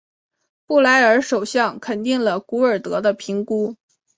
布莱尔首相肯定了古尔德的评估。